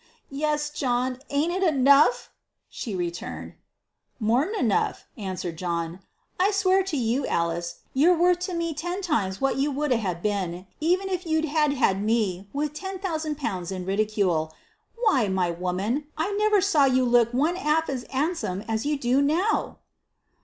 "Yes, John; ain't it enough?" she returned. "More'n enough," answered John. "I swear to you, Alice, you're worth to me ten times what you would ha' been, even if you'd ha' had me, with ten thousand pounds in your ridicule. Why, my woman, I never saw you look one 'alf so 'an'some as you do now!"